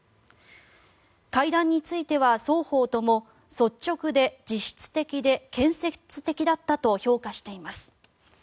会談については、双方とも率直で実質的で建設的だったと評価しています。